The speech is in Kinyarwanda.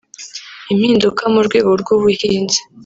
impinduka mu rwego rw’ubuhinzi